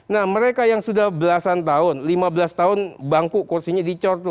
nah mereka yang sudah belasan tahun lima belas tahun bangku kursinya dicor tuh